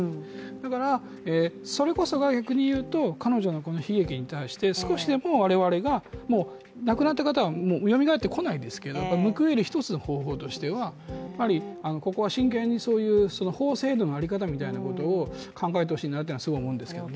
だからそれこそが、逆にいうと彼女のその悲劇に対して少しでも我々が亡くなった方はよみがえってこないですけど報いる１つの方法としてはここは真剣にそういう法制度の在り方みたいなものを考えてほしいなとすごく思うんですけどね。